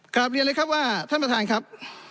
กลับเรียนเลยครับว่าท่านประธานครับ